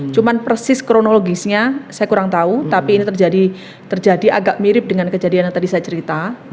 cuman persis kronologisnya saya kurang tahu tapi ini terjadi agak mirip dengan kejadian yang tadi saya cerita